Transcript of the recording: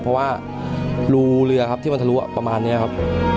เพราะว่ารูเหลือที่มันทะลัวประมาณนี้ครับ